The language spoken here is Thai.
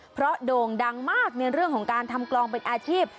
เพราะโด่งดังมากในเรื่องของการทำกลองเป็นอาชีพ